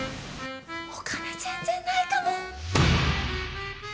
お金全然ないかも。